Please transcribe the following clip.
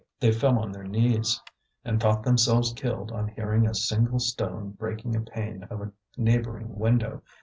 They fell on their knees, and thought themselves killed on hearing a single stone breaking a pane of a neighbouring window.